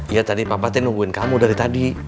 iya tadi papa teh nungguin kamu dari tadi